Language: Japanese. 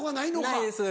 ないです